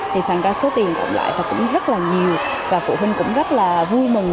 thì thành ra số tiền cộng lại và cũng rất là nhiều và phụ huynh cũng rất là vui mừng